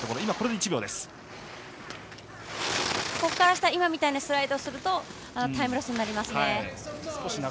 ここから下、今みたいなスライドをするとタイムロスになりますね。